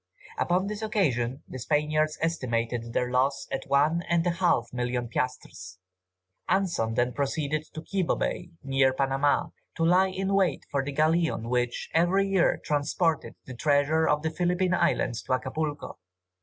Upon this occasion the Spaniards estimated their loss at one and a half million piastres. Anson then proceeded to Quibo Bay, near Panama, to lie in wait for the galleon which, every year, transported the treasures of the Philippine Islands to Acapulco.